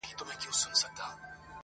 مسافرۍ کي دي ايره سولم راټول مي کړي څوک.